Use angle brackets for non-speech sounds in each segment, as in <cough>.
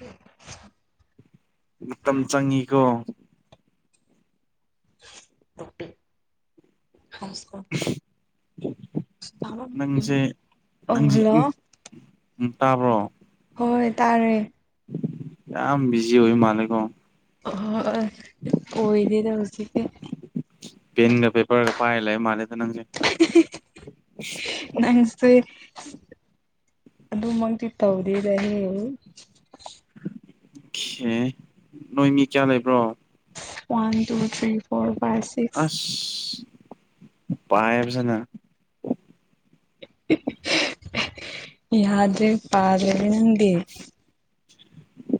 ꯑꯣ ꯃꯇꯝ ꯆꯪꯉꯤꯀꯣ ꯅꯨꯄꯤ ꯍꯁꯀ ꯅꯪꯁꯦ ꯑꯣ ꯍꯜꯂꯣ ꯎ ꯇꯥꯕ꯭ꯔꯣ ꯍꯣꯏ ꯇꯥꯔꯦ ꯌꯥꯝ ꯌꯥꯝ ꯕꯤꯖꯤ ꯑꯣꯏ ꯃꯥꯅꯤꯀꯣ ꯑ ꯑꯣꯏꯗꯤꯗ ꯍꯧꯖꯤꯛꯇ ꯄꯦꯟꯒ ꯄꯦꯄꯔꯒ ꯄꯥꯏꯔ ꯂꯩ ꯑꯩ ꯃꯥꯜꯂꯦꯗ ꯅꯪꯁꯦ ꯅꯣꯏ ꯑꯗꯨꯃꯛꯇꯤ ꯇꯧꯗꯦꯗꯅꯤ ꯁꯦ ꯅꯣꯏ ꯃꯤ ꯀꯌꯥ ꯂꯩꯕ꯭ꯔꯣ one two three four five six ꯄꯥꯏꯕꯁꯅ ꯌꯥꯍꯗ ꯄꯖꯗꯤ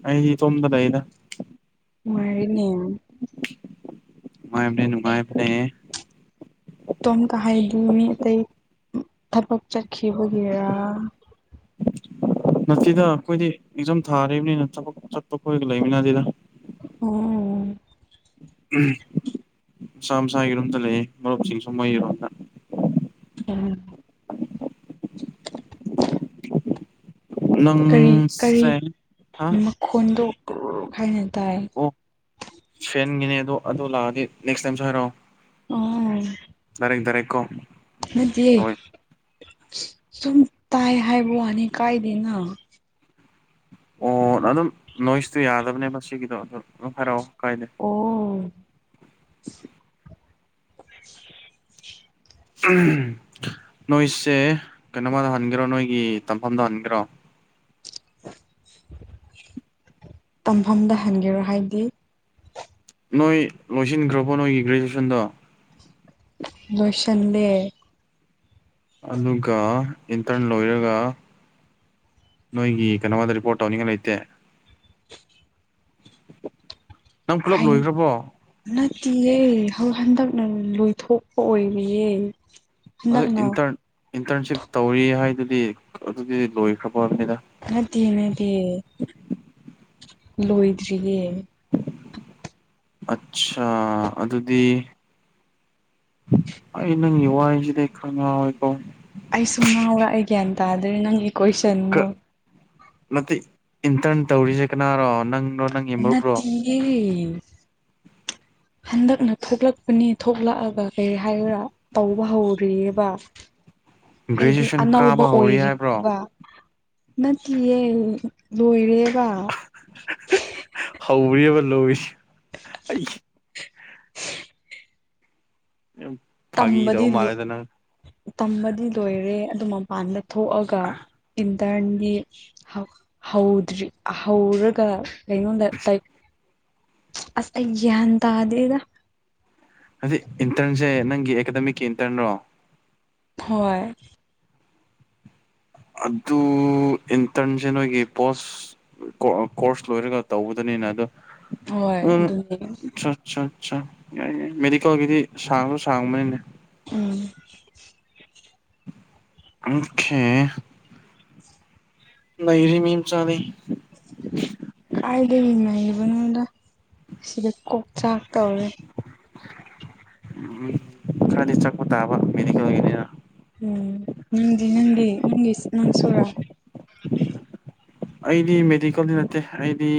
ꯑꯩ ꯇꯣꯗ ꯂꯩꯗ ꯃꯔꯤꯅꯦ ꯌꯥꯝ ꯅꯨꯡꯉꯥꯏꯕꯅꯦ ꯅꯨꯡꯉꯥꯏꯕꯅꯦ ꯇꯣꯝ ꯀ ꯍꯥꯏꯥꯏꯗꯤ ꯃꯤ ꯑꯇꯩ ꯊꯕꯛ ꯆꯠꯈꯤꯕꯒꯤꯔꯥ ꯅꯠꯇꯗ ꯑꯩꯈꯣꯏꯗꯤ ꯑꯦꯛꯖꯝ ꯊꯥꯔꯤꯕꯅꯤꯅ ꯊꯕꯛ ꯆꯠꯄ ꯈꯣꯏꯔꯒ ꯂꯩꯃꯤꯅ ꯁꯤꯗ ꯑꯣ ꯃꯁ ꯃꯁꯥꯒꯤꯔꯣꯝꯗ ꯂꯩꯌꯦ ꯃꯔꯨꯞꯁꯤꯡ ꯁ ꯃꯩꯔꯣꯗ ꯎꯝ ꯀꯔꯤ ꯀꯔꯤ ꯅꯪꯁꯦ ꯍꯥ ꯃꯈꯣꯟꯗꯣ ꯈꯥꯏꯅ ꯇꯥꯏ ꯏꯒꯤꯅꯦ ꯑꯗꯣ ꯑꯗꯨ ꯂꯥꯛꯑꯗꯤ ꯅꯦꯛꯁ ꯇꯥꯏꯝꯁꯨ ꯍꯥꯏꯔꯛꯑꯣ ꯗꯥꯏꯔꯦꯛ ꯗꯥꯏꯔꯦꯛ ꯀꯣ ꯅꯠꯇ ꯍꯣꯏ ꯁꯨꯝ ꯇꯥꯏ ꯍꯥꯏꯕ ꯑꯅꯤ ꯀꯥꯏꯗꯅ ꯑꯣ ꯑꯗꯨꯝ ꯅꯣꯏꯁꯇꯨ ꯌꯥꯗꯕꯅꯦ ꯃꯁꯤꯒꯤꯗꯣ ꯑꯗꯨ ꯑꯗꯨꯝ ꯍꯥꯏꯔꯛꯑꯣ ꯀꯥꯏꯗꯦ ꯑꯣ <inaudible> <unintelligible> ꯎ ꯅꯣꯏꯁꯦ ꯀꯩꯅꯣꯃꯗ ꯍꯟꯒꯦꯔꯣ ꯅꯣꯏꯒꯤ ꯇꯝꯐꯝꯗ ꯍꯟꯒꯦꯔꯣ ꯇꯝꯐꯝꯗ ꯍꯟꯒꯦꯔꯣ ꯍꯥꯏꯗꯤ ꯅꯣꯏ ꯂꯣꯏꯁꯤꯟꯈ꯭ꯔꯕꯣ ꯅꯣꯏꯒꯤ ꯒ꯭ꯔꯦꯖꯨꯋꯦꯁꯟꯗꯣ ꯁ ꯂꯩꯦ ꯑꯗꯨꯒ ꯏꯟꯇꯔꯟ ꯂꯣꯏꯔꯒ ꯅꯣꯏꯒꯤ ꯀꯩꯅꯣꯃꯗ ꯔꯤꯄꯣꯔꯠ ꯇꯧꯅꯤꯡꯉꯥꯏ ꯂꯩꯇꯦ ꯅꯪ ꯄꯨꯂꯞ ꯂꯣꯏꯈ꯭ꯔꯕꯣ ꯅꯦ ꯑꯗꯨ ꯍꯟꯗꯛꯅ ꯂꯣꯏꯊꯣꯛꯄ ꯑꯣꯏꯔꯤꯌꯦ ꯑꯗꯨ ꯍꯟꯗꯛꯅ ꯏꯟꯇꯔꯟ ꯏꯟꯇꯔꯟꯁꯤꯞ ꯇꯧꯔꯤ ꯍꯥꯏꯗꯨꯗꯤ ꯑꯗꯨꯗꯤ ꯂꯣꯏꯈ꯭ꯔꯕ ꯍꯥꯏꯕꯅꯤꯗ ꯅꯠꯇꯦ ꯅꯠꯇꯦ ꯂꯣꯏꯗ꯭ꯔꯤꯌꯦ ꯑꯠꯆꯥꯥ ꯑꯗꯨꯗꯤ ꯏꯩꯅꯪ ꯌ ꯋꯥ ꯍꯥꯏꯁꯤꯗꯤꯦꯉꯀꯣ ꯑꯩꯁꯨ ꯉꯥꯎꯕ ꯑꯩ ꯒ꯭ꯌꯥꯟ ꯇꯥꯗ꯭ꯔꯦ ꯅꯪꯒꯤ ꯀꯣꯏꯁꯟꯗꯣ ꯅꯠꯇꯦ ꯏꯟꯇꯔꯟ ꯇꯧꯔꯤꯁꯦ ꯀꯅꯥꯔꯣ ꯅꯪ ꯏꯟꯅ ꯇꯦ ꯍꯟꯗꯛꯅ ꯊꯣꯛꯂꯛꯄꯅꯤ ꯊꯣꯛꯂꯛꯑꯒ ꯀꯩ ꯍꯥꯏꯔꯥ ꯇꯧꯕ ꯍꯧꯔꯤꯑꯕ ꯍꯥꯏꯗꯤ ꯒ꯭ꯔꯦꯖꯨꯑꯦꯁꯟ ꯑꯅꯧꯕ ꯀꯥꯕ ꯍꯧꯔꯤ ꯍꯥꯏꯕ꯭ꯔꯣ ꯑꯣꯏꯔꯤꯕ ꯅꯠꯇꯌꯦ ꯂꯣꯏꯔꯦꯕ ꯜꯂꯣꯁ ꯑꯩ ꯌꯥꯝ ꯐꯥꯒꯤ ꯇꯧꯕ ꯇꯝꯕꯗꯤꯂꯨ ꯃꯥꯜꯂꯦꯗ ꯅꯪ ꯇꯃꯗꯤ ꯂꯣꯏꯔꯦ ꯑꯗꯨ ꯃꯄꯥꯟꯗ ꯊꯣꯛꯑꯒ ꯇꯔꯟꯗꯤ ꯍꯧꯗ꯭ꯔꯤ ꯍꯧꯔꯒ ꯀꯩꯅꯗ ꯇꯥꯏ ꯑꯁ ꯌꯥꯟꯗꯗꯒ ꯍꯥꯏ ꯏꯟꯇꯔꯟꯁꯦ ꯅꯪꯒꯤ ꯑꯦꯀꯥꯗꯃꯤꯛꯀꯤ ꯏꯟꯇꯔꯟꯔꯣ ꯍꯣꯏ ꯑꯗꯨ ꯏꯟꯊꯟꯖꯅꯣꯒꯤ ꯄꯣꯁ ꯀꯣꯔꯁ ꯂꯣꯏꯔꯒ ꯇꯧꯕꯗꯅꯤꯅ ꯑꯗꯣ ꯍꯣꯏ ꯑꯗꯨꯅꯦ ꯎꯝꯠ ꯑ ꯌꯥꯏ ꯌꯥ ꯃꯦꯗꯤꯀꯦꯜꯒꯤꯗꯤ ꯁꯥꯡꯉꯁꯨ ꯁꯥꯡꯕꯅꯤꯅꯦ ꯎꯝ ꯑꯣꯈꯤꯦ ꯉꯁꯤ ꯃ ꯆꯥꯦ ꯑꯗꯨ ꯏꯃꯥꯏꯒꯤ ꯃꯅꯨꯡꯗ ꯁꯤꯗ ꯀꯣꯛꯆꯥꯛ ꯇꯧꯔꯦ ꯎꯝ ꯈꯔꯗꯤ ꯆꯠꯄ ꯇꯥꯕ ꯃꯦꯗꯤꯀꯦꯜ ꯑꯣꯏꯒꯅꯤꯅ ꯎꯝ ꯅꯪꯗꯤ ꯅꯪꯗꯤ ꯅꯪꯗꯤ ꯅꯪꯁꯨꯨꯔꯥ ꯑꯩꯗꯤ ꯃꯦꯗꯤꯀꯦꯜꯗꯤ ꯅꯠꯇꯦ ꯑꯩꯗꯤ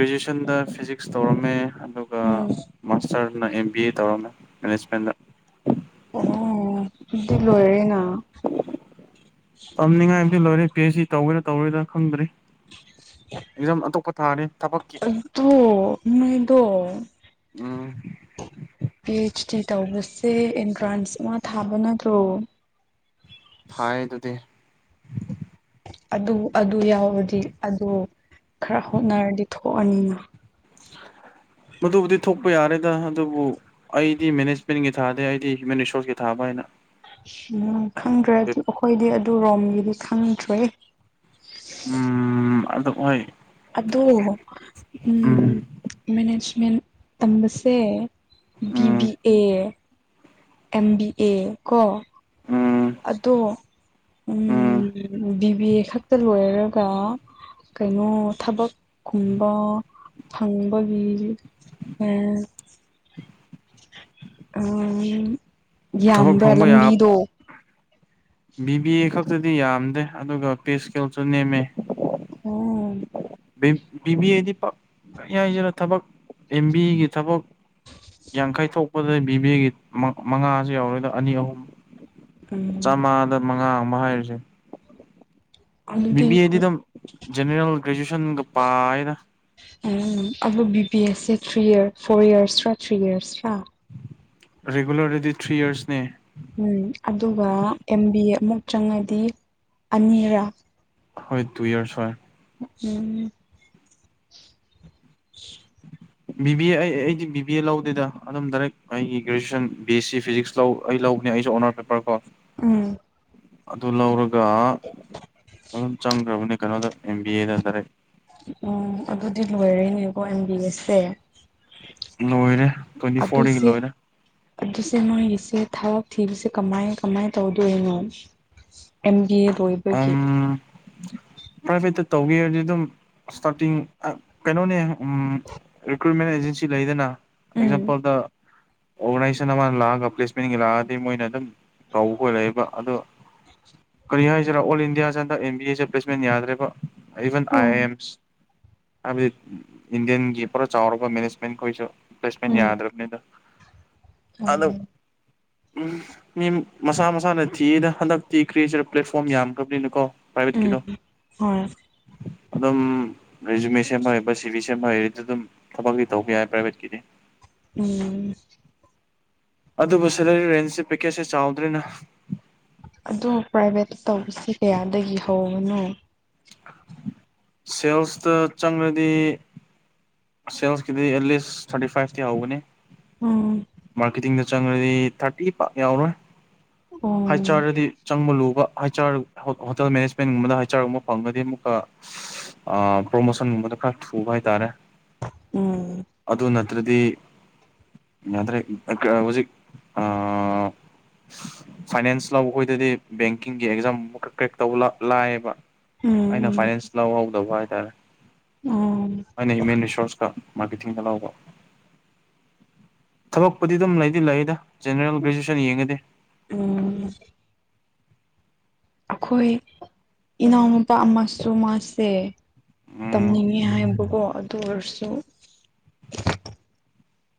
ꯒ꯭ꯔꯦꯖꯨꯑꯦꯁꯟꯗ ꯐꯤꯖꯤꯛꯁ ꯇꯧꯔꯝꯃꯦ ꯎꯝ ꯁꯥꯔꯅ ꯑꯦꯝ ꯕꯤ ꯑꯦ ꯇꯧꯔꯝꯃꯦ ꯃꯦꯅꯦꯖꯃꯦꯟꯗ ꯑꯣ ꯑꯗꯨꯗꯤ ꯂꯣꯏꯔꯦꯅ ꯇꯝꯅꯤꯡꯉꯥꯏꯗꯤ ꯂꯣꯏꯔꯦ ꯄꯤ ꯑꯩꯆ ꯇꯧꯒꯦꯔꯥ ꯇꯧꯔꯣꯏꯗꯥ ꯈꯪꯗ꯭ꯔꯤ ꯑꯦꯖꯝ ꯑꯇꯣꯞꯄ ꯊꯥꯅꯤ ꯊꯕꯛꯀꯤ ꯑꯗꯣ ꯅꯣꯏꯗꯣ ꯎꯝ ꯄꯤ ꯑꯩꯆ ꯗꯤ ꯇꯧꯕꯁꯦ ꯑꯦꯟꯇ꯭ꯔꯥꯟꯁ ꯑꯃ ꯊꯥꯕ ꯅꯠꯇ꯭ꯔꯣ ꯊ ꯑꯗꯨꯗꯤ ꯑꯗꯨ ꯑꯗꯨ ꯌꯥꯎꯔꯗꯤ ꯑꯗꯨ ꯈꯔ ꯍꯣꯠꯅꯔꯗꯤ ꯊꯣꯛꯑꯅꯤꯅ ꯃꯗꯨꯕꯨꯗꯨ ꯊꯣꯛ ꯊꯣꯛꯄ ꯌꯥꯔꯦꯗ ꯑꯗꯨꯕꯨ ꯑꯩꯗꯤ ꯃꯦꯅꯦꯖꯃꯦꯟꯒꯤ ꯊꯥꯗꯦ ꯑꯩꯗꯤ ꯍ꯭ꯌꯨꯃꯦꯟ ꯔꯤꯁꯣꯔꯁꯀꯤ ꯊꯥꯕ ꯍꯥꯏꯅ ꯎꯝ ꯈꯪꯗ꯭ꯔꯗꯤ ꯑꯩꯈꯣꯏꯗꯤ ꯑꯗꯨ ꯔꯣꯝꯒꯤꯗꯤ ꯈꯪꯗ꯭ꯔꯦ ꯎꯝ ꯑꯗꯨ ꯍꯣꯏ ꯑꯗꯣ ꯎꯝ ꯃꯦꯅꯦꯖꯃꯦꯟ ꯇꯝꯕꯁꯦ ꯎꯝ ꯕꯤꯕꯤ ꯑꯦ ꯑꯦꯝꯕꯤ ꯑꯦ ꯀꯣ ꯎꯝ ꯑꯗꯣ ꯎꯝ ꯎ ꯕꯤꯕꯤ ꯑꯦ ꯈꯛꯇ ꯂꯣꯏꯔꯔꯒ ꯀꯩꯅꯣ ꯊꯕꯛꯀꯨꯝꯕ ꯐꯪꯕꯒꯤ ꯑꯦꯝ ꯎꯝ ꯊꯕꯛ ꯌꯥꯝꯕ꯭ꯔꯥ ꯐꯪꯕ ꯌꯥ ꯂꯝꯕꯤꯗꯣ ꯕꯤ ꯕꯤ ꯑꯦ ꯈꯛꯇꯗꯤ ꯌꯥꯝꯗꯦ ꯑꯗꯨꯒ ꯄꯦꯁꯀꯦꯜꯁꯨ ꯅꯦꯝꯃꯦ ꯑꯣ ꯕꯤꯕꯤꯗꯤ ꯄ ꯌꯥꯏꯁꯤꯔꯥ ꯊꯕꯛ ꯑꯦꯝ ꯕꯤꯒꯤ ꯊꯕꯛ ꯌꯥꯡꯈꯩ ꯊꯣꯛꯄꯗꯗꯤ ꯕꯤꯕꯦꯒꯤ ꯃꯉꯥꯁꯨ ꯌꯥꯎꯔꯣꯏꯗ ꯑꯅꯤ ꯑꯍꯨꯝ ꯎꯝ ꯆꯥꯝꯃꯉꯥꯗ ꯃꯉꯥ ꯑꯃ ꯍꯥꯏꯔꯤꯁꯦ ꯕꯤ ꯑꯗꯨꯗꯤ ꯕꯤ ꯑꯦꯗꯤ ꯑꯗꯨꯝ ꯖꯦꯅꯦꯔꯦꯜ ꯒ꯭ꯔꯦꯖꯨꯌꯦꯁꯟꯒ ꯄꯥꯏꯅ ꯑꯕꯨ ꯊ꯭ꯔꯤꯔ ꯐꯣꯔ ꯏꯔꯁ ꯊ꯭ꯔꯤ ꯏꯔꯁ ꯔ ꯔꯦꯒꯨꯂꯔ ꯑꯗꯨꯗꯤ ꯊ꯭ꯔꯤ ꯏꯔꯁꯅꯦ ꯎꯝ ꯑꯗꯨꯒ ꯑꯦꯝ ꯕꯤ ꯑꯦ ꯑꯃꯨꯛ ꯆꯪꯉꯗꯤ ꯑꯅꯤꯔꯥ ꯍꯣꯏ ꯇꯨ ꯏꯔꯁ ꯍꯔ ꯎꯝ ꯕꯤ ꯕꯤ ꯑꯦ ꯑꯩ ꯑꯩꯗꯤ ꯕꯤ ꯕꯤ ꯑꯦ ꯂꯧꯗꯦꯗ ꯑꯗꯨꯝ ꯗꯥꯏꯔꯦꯛ ꯑꯩꯒꯤ graduation B S C physics ꯂꯧ ꯑꯩ ꯂꯧꯕꯅꯦ ꯑꯩꯁꯨ ꯑꯣꯅꯔ ꯄꯦꯄꯔ ꯀꯣ ꯎꯝ ꯑꯗꯨ ꯂꯧꯔꯒ ꯑꯗꯨꯝ ꯆꯪꯈ꯭ꯔꯕꯅꯤ ꯀꯩꯅꯣꯗ ꯑꯦꯝ ꯕꯤ ꯑꯦꯗ ꯗꯥꯔꯦꯠ ꯎꯝ ꯑꯗꯨꯗꯤ ꯂꯣꯏꯔꯦꯅꯦꯀꯣ ꯑꯦꯝ ꯕꯤ ꯑꯦꯁꯁꯦ ꯂꯣꯏꯔꯦ ꯇ꯭ꯋꯦꯟꯇꯤ ꯐꯣꯔꯗꯒꯤ ꯑꯗꯨꯁꯦ ꯂꯣꯏꯔꯦ ꯑꯗꯨꯁꯦ ꯃꯣꯏ ꯌꯦꯁꯦ ꯊꯥꯎ ꯊꯤꯕꯁꯦ ꯀꯃꯥꯏ ꯀꯃꯥꯏꯅ ꯇꯧꯗꯣꯏꯅꯣ ꯑꯦꯝ ꯕꯤ ꯑꯦꯗꯣꯏꯕꯒꯤ <inaudible> ꯄ꯭ꯔꯥꯏꯚꯦꯠꯇ ꯇꯧꯈꯤꯕꯔꯗꯤ ꯑꯗꯨꯝ ꯏꯁꯇꯥꯔꯇꯤꯡ ꯀꯩꯅꯣꯅꯦ ꯎ ꯔꯤꯀ꯭ꯔꯨꯏꯃꯦꯟ ꯑꯦꯖꯁꯤ ꯂꯩꯗꯅ ꯎꯝ ꯑꯦꯛꯖꯥꯝꯄꯜꯗ ꯑꯣꯔꯒꯅꯥꯏꯖꯦꯁꯟ ꯑꯃꯅ ꯂꯥꯛꯑꯒ ꯄ꯭ꯂꯦꯁꯃꯦꯟꯒꯤ ꯂꯥꯛꯑꯗꯤ ꯃꯣꯏꯅ ꯑꯗꯨꯝ ꯇꯧꯕ ꯈꯂꯛꯏꯕ ꯑꯗꯣ ꯀꯔꯤ ꯍꯥꯏ ꯁꯤꯔ ꯑꯣꯜ ꯏꯟꯗꯤꯌꯥꯁꯤꯟꯗ ꯑꯦꯝ ꯕꯤ ꯑꯦꯁꯦ ꯄ꯭ꯂꯦꯁꯃꯦꯟ ꯌꯥꯗ꯭ꯔꯦꯕ even I A um AIMS ꯍꯥꯏꯕꯗꯤ ꯏꯟꯗꯤꯌꯥꯟꯒꯤ ꯄꯨꯔꯥ ꯆꯥꯎꯔꯕ ꯃꯦꯅꯦꯖꯃꯦꯟꯈꯣꯏꯁꯨ ꯄ꯭ꯂꯦꯁꯃꯦꯟ ꯌꯥꯗ꯭ꯔꯕꯅꯤ ꯑꯗ ꯎꯝ ꯎꯝ ꯃꯤ ꯃꯁꯥ ꯃꯁꯥꯅ ꯊꯤꯗ ꯍꯟꯗꯛ ꯊꯤ ꯀ꯭ꯔꯤꯁꯤ ꯐꯣꯝ ꯌꯥꯝꯈ꯭ꯔꯕꯅꯤꯅꯀꯣ ꯄ꯭ꯔꯥꯏꯚꯦꯠꯀꯤꯗꯣ ꯎꯝ ꯍꯣꯏ ꯑꯗꯨꯝ ꯔꯤꯖꯨꯃꯦ ꯁꯦꯝꯕ ꯍꯕ ꯁꯤꯚ ꯁꯦꯝꯕ ꯍꯗꯤ ꯑꯗꯨꯝ ꯊꯕꯛꯇꯤ ꯇꯧꯕ ꯌꯥꯏ ꯄ꯭ꯔꯥꯏꯚꯦꯠꯀꯤꯗꯤ ꯎꯝ ꯑꯗꯨꯕꯨ ꯁꯦꯂꯔꯤ ꯔꯦꯟꯖꯁꯦ ꯄꯦꯀꯦꯠꯁꯦ ꯆꯥꯎꯗ꯭ꯔꯦꯅ ꯑꯗꯣ ꯄ꯭ꯔꯥꯏꯚꯦꯠꯇ ꯇꯧꯕꯁꯤ ꯀꯌꯥꯗꯒꯤ ꯍꯧꯧꯕꯅꯣ ꯁꯦꯜꯁꯇ ꯆꯪꯉꯗꯤ ꯁꯦꯜꯁꯀꯤꯗꯤ ꯑꯦꯠꯂꯤꯁ ꯊꯥꯔꯇꯤ ꯐꯥꯏꯚꯇꯤ ꯍꯧꯒꯅꯤ ꯎꯝ ꯃꯥꯔꯀꯦꯤꯡꯗ ꯆꯪꯉ꯭ꯔꯗꯤ ꯊꯥꯔꯇꯤ ꯄꯥꯛ ꯌꯥꯎꯔꯣꯏ ꯍꯥꯏ ꯎꯝ ꯆꯥꯔꯗꯤ ꯆꯪꯕ ꯂꯨꯕ ꯍꯥꯏ ꯆꯥꯔ ꯍꯣꯇꯦꯜ ꯃꯦꯅꯦꯖꯃꯦꯟꯒꯨꯝꯕꯗ ꯍꯥꯏꯆꯥꯥꯔꯒꯨꯝꯕ ꯐꯪꯉꯒꯗꯤ ꯑꯃꯨꯛꯀ <inaudible> ꯑ ꯄ꯭ꯔꯣꯃꯣꯁꯟꯒꯨꯝꯕꯗꯣ ꯈꯔ ꯊꯨꯕ ꯍꯥꯏꯇꯥꯔꯦ ꯎꯝ ꯑꯗꯨ ꯅꯠꯇ꯭ꯔꯗꯤ ꯌꯥꯔꯦ ꯍꯧꯖꯤꯛ ꯑ ꯐꯥꯏꯅꯥꯟꯁ ꯂꯧꯕ ꯑꯩꯈꯣꯏꯗꯗꯤ ꯕꯦꯡꯀꯤꯡꯒꯤ ꯑꯦꯛꯖꯥꯝ ꯀ꯭ꯔꯦꯛ ꯇꯧꯕ ꯂꯥꯛꯑꯕ ꯑꯩꯅ ꯎꯝ ꯐꯥꯏꯅꯥꯟꯁ ꯂꯧꯍꯧꯗꯧꯕ ꯍꯥꯏꯇꯥꯔꯦ ꯎꯝ ꯑꯣ ꯑꯩꯅ ꯍ꯭ꯌꯨꯃꯦꯟ ꯔꯤꯁꯣꯔꯁꯀ ꯃꯥꯔꯀꯦꯇꯤꯡꯗ ꯂꯥꯎꯕ ꯊꯕꯛꯄꯨꯗꯤ ꯑꯗꯨꯝ ꯂꯩꯗꯤ ꯂꯩꯗ ꯖꯦꯅꯔꯦꯜ ꯒ꯭ꯔꯦꯖꯨꯋꯦꯁꯟ ꯌꯦꯡꯉꯗꯤ ꯎꯝ ꯑꯩꯈꯣꯏ ꯏꯅꯥꯎꯅꯨꯄꯥ ꯑꯃꯁꯨ ꯃꯥꯁꯦ ꯎꯝ ꯇꯝꯅꯤꯡꯉꯤ ꯍꯥꯏꯕꯀꯣ ꯑꯗꯨ ꯑꯣꯏꯔꯁꯨ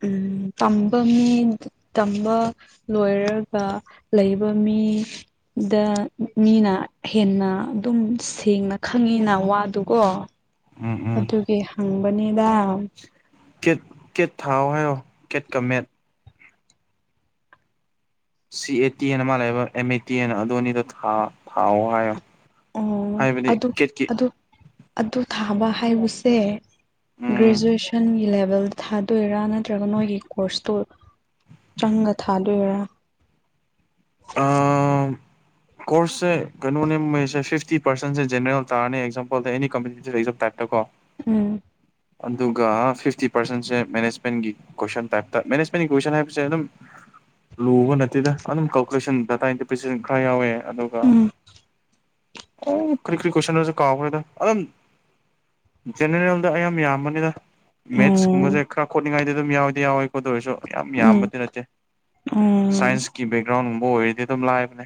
ꯎꯝ ꯇꯝꯕ ꯃꯤ ꯇꯝꯕ ꯂꯣꯏꯔꯒ ꯂꯩꯕ ꯃꯤ ꯃꯤ ꯗ ꯃꯤꯅ ꯍꯦꯟꯅ ꯑꯗꯨꯝ ꯁꯦꯡꯅ ꯈꯪꯉꯤꯅ ꯋꯥ ꯑꯗꯨꯒꯣ ꯎꯝ ꯎꯝ ꯑꯗꯨꯒꯤ ꯍꯪꯕꯅꯤꯗ ꯀꯦꯠ ꯀꯦꯠ ꯊꯥꯎ ꯍꯥꯏꯔꯣ ꯀꯦꯠ ꯀꯃꯦꯠ ꯁꯤ ꯑꯦ ꯇꯤ ꯑꯅ ꯃꯥ ꯂꯩꯕ ꯑꯦꯝ ꯑꯦ ꯇꯤ ꯑꯅ ꯑꯗꯨ ꯑꯅꯤꯗꯣ ꯊꯥꯎꯑꯣ ꯍꯥꯏꯌꯣ ꯑꯣ ꯍꯥꯏꯕꯗꯤ ꯑꯗꯨ ꯀꯦꯠꯀꯤ ꯑꯗꯨ ꯑꯗꯨ ꯊꯥꯕ ꯍꯥꯏꯕꯁꯦ ꯎꯝ ꯒ꯭ꯔꯦꯖꯨꯑꯦꯁꯟꯒꯤ ꯂꯦꯕꯦꯜꯗ ꯊꯥꯗꯣꯏꯔꯥ ꯅ ꯅꯠꯇ꯭ꯔꯒ ꯅꯣꯏꯒꯤ ꯀꯣꯔꯁꯇꯨ ꯆꯪꯒ ꯊꯥꯗꯣꯏꯔꯥ ꯑ <inaudible> <inaudible> ꯀꯣꯔꯁꯁꯦ ꯀꯩꯅꯣꯅꯦ ꯃꯣꯏꯁꯦ ꯐꯤꯐꯇꯤ ꯄꯔꯁꯦ ꯖꯦꯅꯔꯦꯜ ꯇꯥꯔꯅꯤ ꯑꯦꯛꯖꯥꯝꯄꯜꯗ ꯑꯦꯅꯤ ꯀꯝꯄꯤꯇꯤꯇꯤꯞ ꯑꯦꯛꯖꯥꯝ ꯇꯥꯏꯞꯇꯀꯣ ꯎꯝ ꯑꯗꯨꯒ ꯐꯤꯐꯇꯤ ꯄꯥꯔꯁꯦꯟꯁꯦ ꯃꯦꯅꯦꯖꯃꯦꯟꯒꯤ ꯀꯣꯏꯁꯟ ꯇꯥꯏꯞꯇ ꯃꯦꯅꯦꯖꯃꯦꯟꯒꯤ ꯀꯣꯏꯁꯟ ꯍꯥꯏꯕꯁꯦ ꯑꯗꯨꯝ ꯂꯨꯕ ꯅꯠꯇꯦꯗ ꯑꯗꯨꯝ ꯀꯥꯜꯀꯨꯂꯦꯁꯟ ꯗꯥꯇꯥ ꯏꯟꯇꯤꯄꯦꯁꯟ ꯈꯔ ꯌꯥꯎꯋꯦ ꯑꯗꯨꯒ ꯎꯝ ꯑꯣ ꯀ ꯀꯔꯤ ꯀꯁꯅ ꯀꯥꯕꯔꯗ ꯑ ꯒꯦꯅꯦꯔꯦꯜꯗ ꯑꯌꯥꯝꯕ ꯌꯝꯕꯅꯤꯗ ꯃꯦꯠꯁ ꯀꯨꯝꯕꯁꯦ ꯎꯝ ꯈꯔ ꯈꯣꯠꯅꯤꯡꯉꯥꯏꯗꯤ ꯑꯗꯨꯝ ꯌꯥꯎꯏꯗꯤ ꯌꯥꯎꯋꯦ ꯈꯣꯠꯇ ꯑꯣꯏꯔꯁꯨ ꯌꯥꯝ ꯎꯝ ꯌꯥꯝꯕꯗꯤ ꯅꯠꯇꯦ ꯎꯝ ꯎꯝ ꯁꯥꯏꯟꯁ ꯕꯦꯛꯒ꯭ꯔꯥꯎꯟꯕ ꯑꯣꯏꯔꯗꯤ ꯑꯗꯨꯝ ꯂꯥꯛꯑꯦꯕꯅꯦ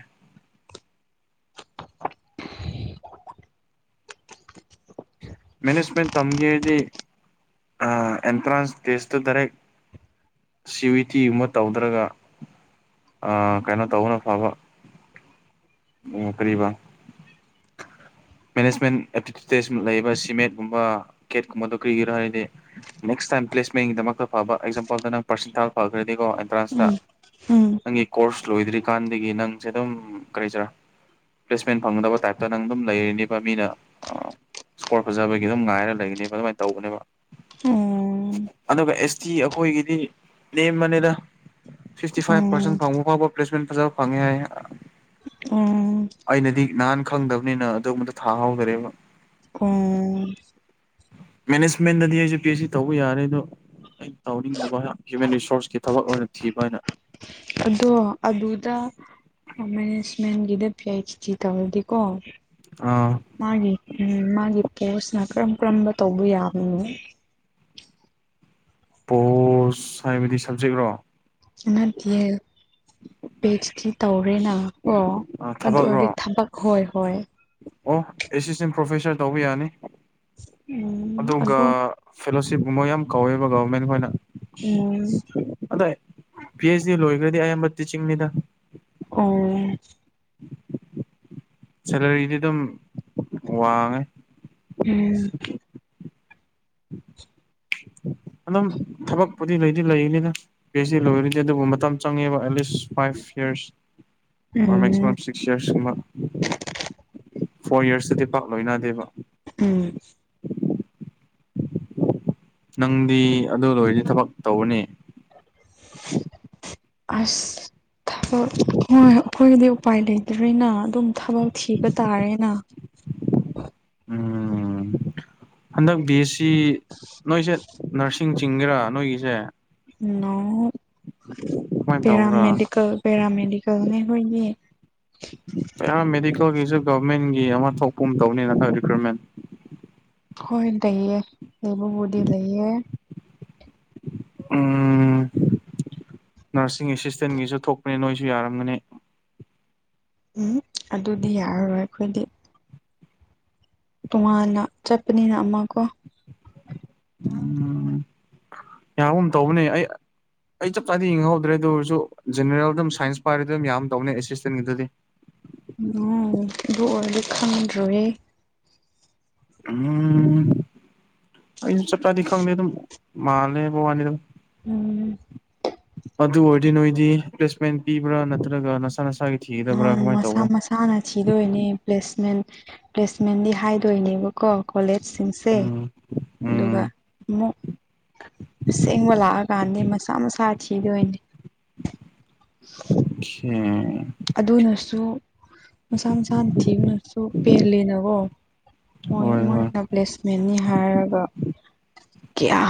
ꯃꯦꯅꯦꯖꯄ ꯇꯝꯒꯦꯗꯤ ꯑꯦꯟꯇ꯭ꯔꯥꯟꯁ ꯇꯦꯁꯇ ꯗꯥꯔꯦꯛ ꯁꯤꯋꯤꯇꯤꯒꯨꯝꯕ ꯇꯧꯗ꯭ꯔꯒ ꯑ ꯀꯩꯅꯣ ꯇꯧꯕꯅ ꯐꯕ ꯑꯥ ꯀꯔꯤꯕ ꯃꯦꯅꯦꯖꯃꯦꯟ ꯑꯦꯞꯇꯤꯇꯨꯁ ꯂꯩꯕꯁꯤ ꯃꯦꯠꯀꯨꯝꯕ ꯀꯦꯠꯀꯨꯝꯕꯗꯣ ꯀ꯭ꯔꯤꯒꯤꯔꯣ ꯍꯥꯏꯔꯗꯤ ꯅꯦꯛꯁ ꯇꯥꯏꯝ ꯄ꯭ꯂꯦꯁꯃꯦꯟꯒꯤꯗꯃꯛꯇ ꯐꯕ ꯑꯦꯛꯖꯥꯝꯄꯜꯗ ꯅꯪ ꯄꯥꯔꯁꯦꯟꯇꯥꯥꯖ ꯐꯈ꯭ꯔꯗꯤꯀꯣ ꯑꯦꯟꯇ꯭ꯔꯥꯟꯁꯇ ꯎꯝ ꯅꯪꯒꯤ ꯀꯣꯔꯁ ꯂꯣꯏꯗ꯭ꯔꯤꯀꯥꯟꯗꯒꯤ ꯅꯪꯁꯦ ꯑꯗꯨꯝ ꯀꯔꯤꯁꯤꯔꯥ ꯄ꯭ꯂꯦꯁꯃꯦꯟ ꯐꯪꯗꯕ ꯇꯥꯏꯞꯇ ꯅꯪ ꯑꯗꯨꯝ ꯂꯩꯔꯤꯅꯦꯕ ꯃꯤꯅ ꯀꯣꯔ ꯐꯖꯕꯒꯤ ꯑꯗꯨꯝ ꯉꯥꯏꯔ ꯂꯩꯒꯅꯦꯕ ꯑꯗꯨꯃꯥꯏꯅ ꯇꯧꯕꯅꯦꯕ ꯎꯝ ꯑꯗꯨꯒ ꯑꯦꯁ ꯇꯤ ꯑꯩꯈꯣꯏꯒꯤꯗꯤ ꯅꯦꯝꯕꯅꯤꯗ ꯁꯤꯛꯁꯇꯤ ꯐꯥꯏꯚ ꯄꯥꯔꯁꯦꯟ ꯎꯝ ꯐꯪꯕ ꯐꯥꯎꯕ ꯄ꯭ꯂꯦꯁꯃꯦꯟ ꯐꯖꯕ ꯐꯪꯉꯦ ꯍꯥꯏ ꯎꯝ ꯑꯩꯅꯗꯤ ꯅꯍꯥꯟ ꯈꯪꯗꯕꯅꯤꯅ ꯑꯗꯨꯕꯗ ꯊꯥꯍꯧꯗꯔꯦꯕ ꯎꯨꯡ ꯃꯦꯅꯦꯖꯃꯦꯟꯗꯗꯤ ꯑꯩꯁꯨ ꯄꯤ ꯑꯩꯆ ꯁꯤ ꯇꯧꯕ ꯌꯥꯔꯦ ꯑꯗꯣ ꯑꯩꯅ ꯇꯧꯅꯤꯡꯗꯕ ꯍ꯭ꯌꯨꯃꯦꯟ ꯔꯤꯁꯣꯔꯁꯀꯤ ꯊꯕꯛ ꯑꯣꯏꯅ ꯊꯤꯕ ꯑꯩꯅꯥ ꯑꯗꯣ ꯑꯗꯨꯗ ꯃꯦꯅꯦꯁꯃꯦꯟꯒꯗ ꯄꯤ. ꯗꯤ. ꯇꯧꯔꯗꯤꯀꯣ ꯃꯥꯒꯤ ꯎꯝ ꯃꯥꯒꯤ ꯀꯁꯅ ꯀꯔꯝ ꯀꯔꯝꯕ ꯇꯧꯕ ꯌꯥꯕꯅꯣ ꯄꯣꯁ ꯍꯥꯏꯕꯗꯤ ꯁꯕꯖꯦꯛꯔꯣ ꯅꯥꯠꯇꯤꯌꯦ ꯄꯤ. ꯗꯤ. ꯇꯩ ꯅ ꯀ ꯑꯗꯨ ꯑꯣꯏꯔꯗꯤ ꯊꯕꯛꯔꯣ ꯊꯕꯛ ꯍꯣꯏ ꯍꯣꯏ ꯑꯣ ꯑꯦꯁꯤꯁꯇꯦꯟ ꯄ꯭ꯔꯣꯐꯦꯁꯔ ꯇꯧꯕ ꯌꯥꯅꯤ ꯎꯝ ꯑꯗꯨꯒ ꯑꯗꯨ ꯐꯦꯂꯣꯁꯤꯞ ꯃꯣꯏ ꯌꯥꯝ ꯀꯧꯋꯦꯕ ꯒꯣꯔꯦꯟ ꯈꯣꯏꯅ ꯎꯝ ꯄꯤ. ꯍꯦ. ꯗꯤ ꯂꯣꯏꯈ꯭ꯔꯗꯤ ꯑꯌꯥꯝꯕ ꯇꯤꯆꯤꯡꯅꯤꯗ ꯑꯣ ꯁꯦꯂꯔꯤꯗꯤ ꯑꯗꯨꯝ ꯋꯥꯡꯉꯦ ꯎꯝ <unintelligible> <inaudible> ꯎ <inaudible> ꯑꯗꯨꯝ ꯊꯕꯛꯄꯨꯗꯤ ꯂꯩꯗꯤ ꯂꯩꯕꯅꯤꯅ ꯄꯤ ꯑꯩꯆ ꯗꯤ ꯂꯣꯏꯔꯗꯤ ꯑꯗꯨꯕꯨ ꯃꯇꯝ ꯆꯪꯉꯦꯕ at least five years or um maximum six ꯏꯌꯥꯔꯁꯀꯨꯝꯕ ꯐꯣꯔ ꯌꯔꯁꯇꯗꯤ ꯄꯥꯛ ꯂꯣꯏꯅꯥꯗꯦꯕ ꯎꯝ ꯅꯪꯗꯤ ꯑꯗꯨ ꯂꯣꯏꯔꯗꯤ ꯊꯕꯛ ꯇꯧꯒꯥꯅꯦ ꯑꯁ ꯊꯕꯛ ꯍꯣꯏ ꯑꯩꯈꯣꯏꯒꯤꯗꯤ ꯎꯄꯥꯏ ꯂꯩꯇ꯭ꯔꯔꯤꯅ ꯑꯗꯨꯝ ꯊꯕꯛ ꯊꯤꯕ ꯇꯥꯔꯦꯅ ꯍ <inaudible> <unintelligible> ꯎꯝ <inaudible> ꯍꯟꯗꯛ ꯕꯤ ꯑꯦꯁ ꯁꯤ ꯅꯣꯏꯁꯦ ꯅꯔꯁꯤꯡ ꯆꯤꯡꯒꯦꯔꯥ ꯅꯣꯏꯒꯤꯁꯦ ꯎ ꯀꯃꯥꯏꯅ ꯇꯧꯕ꯭ꯔꯥ ꯄꯦꯔꯥꯃꯦꯦꯗꯤꯀꯦꯜ ꯄꯦꯔꯥꯃꯦꯦꯗꯤꯀꯦꯜꯅꯦ ꯍꯣꯏꯒꯤ ꯌꯥꯝ ꯃꯦꯗꯤꯀꯦꯜꯒꯤꯁꯨ ꯒꯚꯔꯃꯦꯟꯒꯤ ꯑꯃ ꯊꯣꯛꯄꯨꯝ ꯇꯧꯅꯤꯅ ꯔꯤꯀ꯭ꯔꯨꯏꯠꯃꯦꯟ ꯍꯣꯏ ꯂꯩꯌꯦ ꯂꯩꯕꯕꯨꯗꯤ ꯂꯩꯌꯦ ꯎꯝ ꯅꯔꯁꯤꯡ ꯑꯦꯁꯤꯁꯇꯦꯟꯒꯤꯁꯨ ꯊꯣꯛꯄꯅꯦ ꯅꯣꯏꯁꯨ ꯌꯥꯔꯝꯒꯅꯤ ꯎꯝ ꯑꯗꯨꯗꯤ ꯌꯥꯔꯔꯣꯏ ꯑꯩꯈꯣꯏꯗꯤ ꯇꯣꯉꯥꯟꯅ ꯆꯠꯄꯅꯤꯅ ꯑꯃ ꯀꯣ ꯎꯝ ꯌꯥꯒꯨꯝ ꯇꯧꯕꯅꯦ ꯑꯩ ꯑꯩ ꯆꯞ ꯆꯥꯗꯤ ꯌꯦꯡꯍꯍꯧꯗ꯭ꯔꯦ ꯑꯗꯨ ꯑꯣꯏꯔꯁꯨ ꯖꯦꯅꯔꯦꯜ ꯑꯗꯨꯝ ꯁꯥꯏꯟꯁ ꯄꯥꯏꯔꯗꯤ ꯑꯗꯨꯝ ꯌꯥꯝ ꯇꯧꯅꯦ ꯑꯦꯁꯤꯁꯇꯦꯟꯒꯤꯗꯨꯗꯤ ꯎꯝ ꯏꯕꯨ ꯑꯣꯏꯂꯤ ꯈ ꯔꯦ ꯑꯝ ꯆꯞꯄꯥꯦ ꯑꯗꯨ ꯃꯥꯂꯣꯅꯤꯗ ꯎꯝ ꯑꯗꯨ ꯑꯣꯏꯔꯗꯤ ꯅꯣꯏꯗꯤ ꯄ꯭ꯂꯦꯁꯃꯦꯟ ꯄꯤꯕ꯭ꯔꯥ ꯅꯠꯇ꯭ꯔꯒ ꯅꯁꯥ ꯅꯁꯥꯒꯤ ꯊꯤꯒꯗꯕ꯭ꯔꯥ ꯀꯃꯥꯏꯅ ꯃꯁꯥ ꯇꯧꯕ꯭ꯔꯣ ꯃꯁꯥꯅ ꯁꯤꯤꯗꯣꯏꯅꯦ ꯄ꯭ꯂꯦꯁꯃꯦꯟ ꯄ꯭ꯂꯦꯁꯃꯦꯟꯗꯤ ꯍꯥꯏꯗꯣꯏꯅꯦꯕꯀꯣ ꯀꯣꯂꯦꯖ ꯁꯤꯡꯁꯦ ꯎꯝ ꯎꯝ ꯑꯗꯨꯒ ꯑꯃꯨꯛ ꯁꯦꯡꯕ ꯂꯥꯛꯑꯀꯥꯟꯗꯤ ꯃꯁꯥ ꯃꯁꯥ ꯊꯤꯗꯣꯏꯅꯦ <unintelligible> ꯑ ꯑꯗꯨꯅꯁꯨ ꯃꯁꯥ ꯃꯁꯥꯅ ꯊꯤꯕꯅꯁꯨ ꯄꯦꯂꯦꯅꯀꯣ ꯃꯣꯏ ꯍꯣꯏ ꯍꯣꯏ ꯃꯣꯏꯅ ꯄ꯭ꯂꯦꯁꯃꯦꯟꯅꯤ ꯍꯥꯏꯔꯒ ꯀꯌꯥ